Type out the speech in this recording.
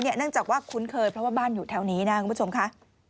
เนื่องจากว่าคุ้นเคยเพราะว่าบ้านอยู่แถวนี้นะคุณผู้ชมค่ะ